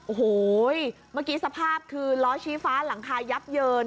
โอ้โหเมื่อกี้สภาพคือล้อชี้ฟ้าหลังคายับเยิน